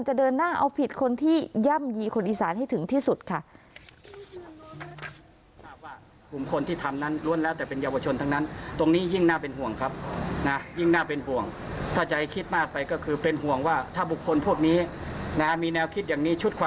จะเดินหน้าเอาผิดคนที่ย่ำยีคนอีสานให้ถึงที่สุดค่ะ